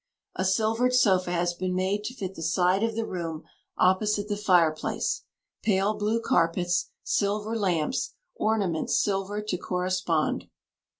A silvered sofa has been made to fit the side of the room opposite the fireplace pale blue carpets, silver lamps, ornaments silvered to correspond."